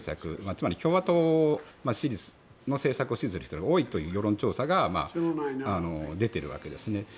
つまり共和党の政策を支持する人が多いという世論調査が出ているわけですね。